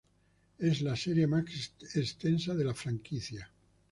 Es la serie más extensa de la franquicia.